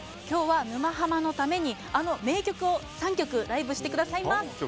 きょうは「沼ハマ」のためにあの名曲を３曲ライブしてくださいます。